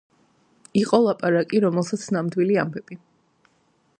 იყო ლაპარაკი რომელსაც „ნამდვილი ამბები“